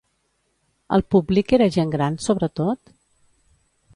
El públic era gent gran, sobretot?